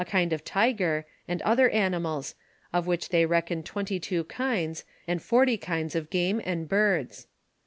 1 1 kind of tiger, and other animals, of which they reckon twenty two kinds, and forty kinds of game and birds.